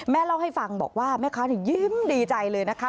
เล่าให้ฟังบอกว่าแม่ค้ายิ้มดีใจเลยนะคะ